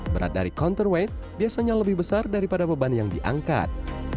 berat dari counterweight biasanya lebih besar daripada beban yang diangkat